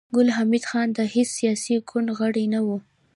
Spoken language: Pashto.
ګل حمید خان د هېڅ سياسي ګوند غړی نه و